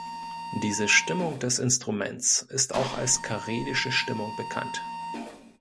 Diese Stimmung des Instruments ist auch als karelische Stimmung bekannt.